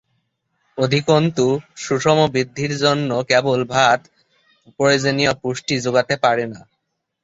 অধিকন্তু, সুষম বৃদ্ধির জন্য কেবল ভাত প্রয়োজনীয় পুষ্টি যোগাতে পারে না।